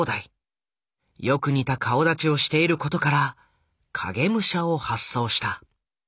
よく似た顔だちをしていることから「影武者」を発想した。